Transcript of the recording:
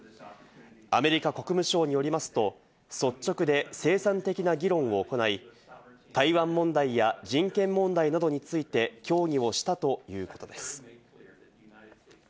アメリカ国務省によりますと、率直で生産的な議論を行い、台湾問題や人権問題などについて協議をしたということです。